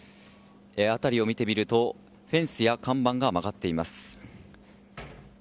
辺りを見てみるとフェンスや看板が曲がっています。